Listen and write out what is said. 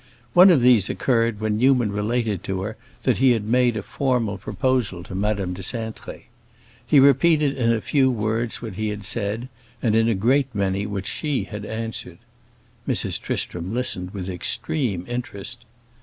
One of these occurred when Newman related to her that he had made a formal proposal to Madame de Cintré. He repeated in a few words what he had said, and in a great many what she had answered. Mrs. Tristram listened with extreme interest.